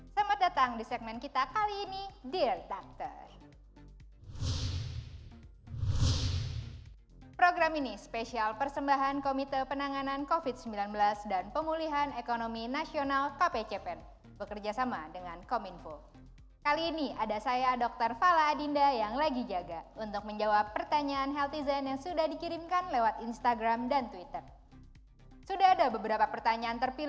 selamat datang di segmen kita kali ini dear doctor